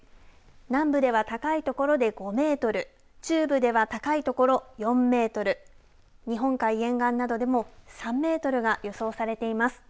南部では高い所で５メートル中部では高い所４メートル日本海沿岸などでも３メートルが予想されています。